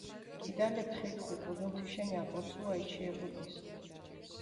კიდალეფი თხითხუ უღუდუნ თიშენ აკოცუა, იჩიებუდეს.